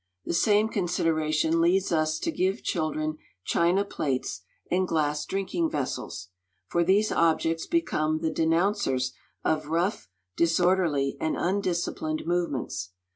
The same consideration leads us to give children china plates and glass drinking vessels, for these objects become the denouncers of rough, disorderly, and undisciplined movements.